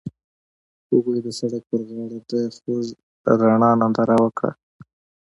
هغوی د سړک پر غاړه د خوږ رڼا ننداره وکړه.